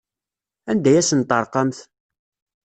Anda ay asen-terqamt?